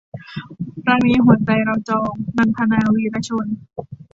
รักนี้หัวใจเราจอง - นันทนา วีระชน